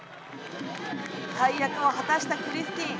大役を果たしたクリスティン。